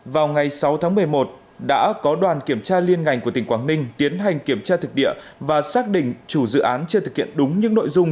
vào ngày sáu tháng một mươi một đã có đoàn kiểm tra liên ngành của tỉnh quảng ninh tiến hành kiểm tra thực địa và xác định chủ dự án chưa thực hiện đúng những nội dung